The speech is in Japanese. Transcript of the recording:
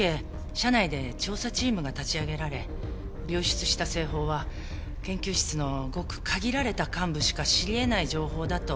社内で調査チームが立ち上げられ流出した製法は研究室のごく限られた幹部しか知り得ない情報だと判明しました。